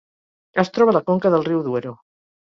Es troba a la conca del riu Duero.